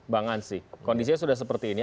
bang ansi kondisinya sudah seperti ini